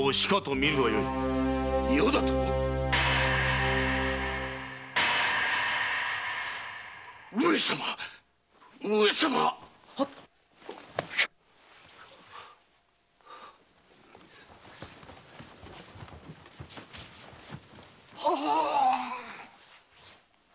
「余」だと⁉上様上様！ははーっ！